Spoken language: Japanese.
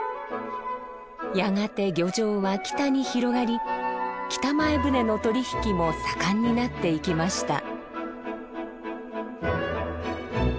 やがて漁場は北に広がり北前船の取り引きも盛んになっていきました。